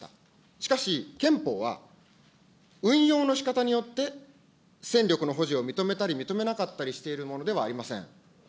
しかし、憲法は、運用のしかたによって、戦力の保持を認めたり認めなかったりしているものではありません。